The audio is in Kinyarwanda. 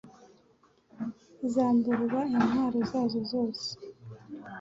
zamburwa intwaro zazo zose